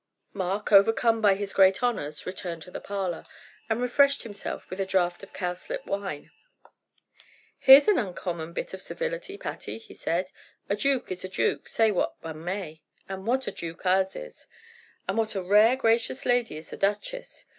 Mark, overcome by his great honors, returned to the parlor, and refreshed himself with a draught of cowslip wine. "Here's an uncommon bit of civility, Patty," he said. "A duke is a duke, say what one may! And what a duke ours is! And what a rare gracious lady is the duchess!